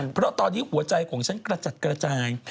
เพราะตอนนี้หัวใจของฉันกระจัดกระจาย